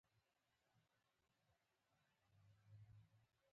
تحقیق د منطق او استدلال ډګر دی.